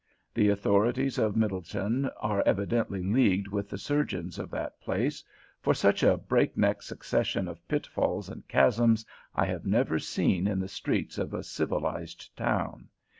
The authorities of Middletown are evidently leagued with the surgeons of that place, for such a break neck succession of pitfalls and chasms I have never seen in the streets of a civilized town.